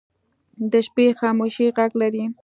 د شپې خاموشي غږ لري